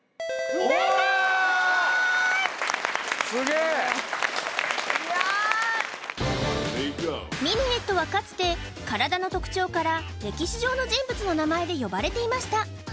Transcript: いやミヌエットはかつて体の特徴から歴史上の人物の名前で呼ばれていました